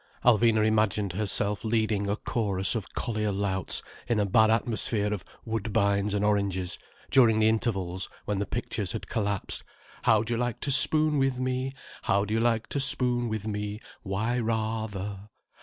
Alvina imagined herself leading a chorus of collier louts, in a bad atmosphere of "Woodbines" and oranges, during the intervals when the pictures had collapsed. "How'd you like to spoon with me? How'd you like to spoon with me? (_Why ra ther!